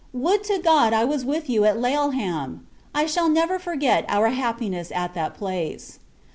Would to God, I was with you at Laleham. I shall never forget our happiness at that place.